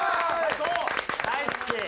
大好き。